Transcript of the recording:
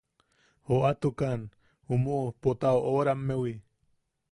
Joʼatukan umu Pota oʼorammewi.